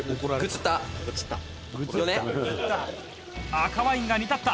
「赤ワインが煮立った！